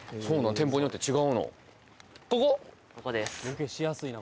店舗によって違うの？